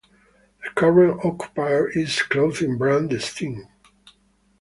The current occupier is clothing brand The Sting.